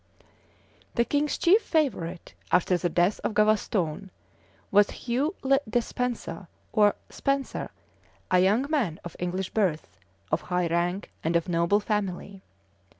The king's chief favorite, after the death of Gavaston, was Hugh le Despenser, or Spenser, a young man of English birth, of high rank, and of a noble family.